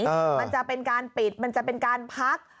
มันจะเป็นการปิดมันจะเป็นการพัก